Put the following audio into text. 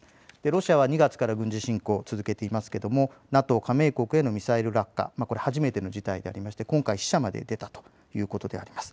ロシアは２月から軍事侵攻を続けていますがＮＡＴＯ加盟国へのミサイル落下は初めての事態で今回死者まで出たということです。